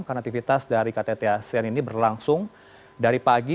karena aktivitas dari ktt asean ini berlangsung dari pagi